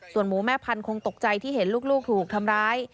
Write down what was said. ส่วนหมูแม่พันธุงตกใจที่เห็นลูกถูกทำร้าย